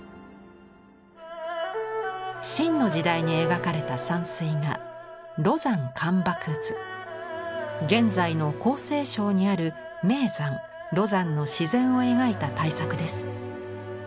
清の時代に描かれた山水画現在の江西省にある名山廬山の自然を描いた大作です。